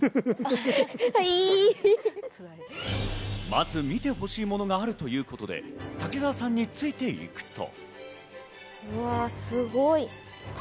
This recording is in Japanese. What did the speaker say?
まず見てほしいものがあるということで滝澤さんについていくと。